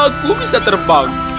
aku bisa terbang